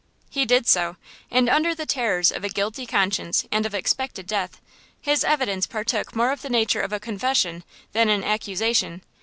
He did so, and under the terrors of a guilty conscience and of expected death, his evidence partook more of the nature of a confession than an accusation.